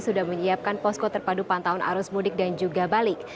sudah menyiapkan posko terpadu pantauan arus mudik dan juga balik